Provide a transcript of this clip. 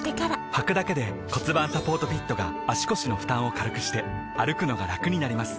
はくだけで骨盤サポートフィットが腰の負担を軽くして歩くのがラクになります